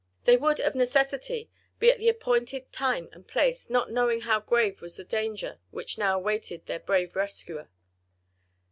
They would, of necessity, be at the appointed time and place, not knowing how grave was the danger which now awaited their brave rescuer.